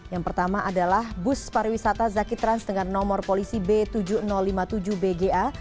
yang pertama adalah bus pariwisata zaki trans dengan nomor polisi b tujuh ribu lima puluh tujuh bga